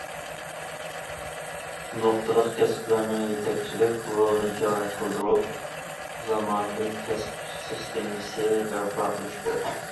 نۇقتىلىق كەسىپلەرنىڭ يېتەكچىلىك رولىنى جارى قىلدۇرۇپ، زامانىۋى كەسىپ سىستېمىسى بەرپا قىلىش كېرەك.